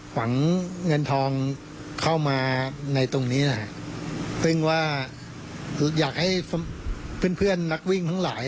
หวังเงินทองเข้ามาในตรงนี้นะฮะซึ่งว่าคืออยากให้เพื่อนเพื่อนนักวิ่งทั้งหลาย